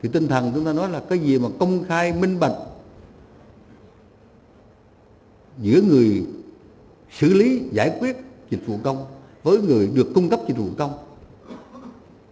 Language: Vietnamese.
tinh thần chúng ta nói là cái gì mà công khai minh bạch giữa người xử lý giải quyết chính phủ điện tử với người được cung cấp chính phủ điện tử